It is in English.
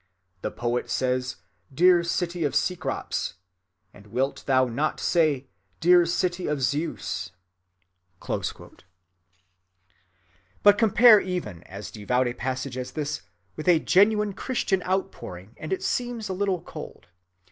The poet says, Dear City of Cecrops; and wilt thou not say, Dear City of Zeus?"(17) But compare even as devout a passage as this with a genuine Christian outpouring, and it seems a little cold.